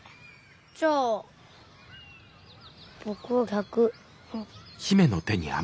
じゃあ僕は逆。